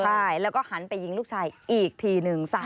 ใช่แล้วก็หันไปยิงลูกชายอีกทีนึง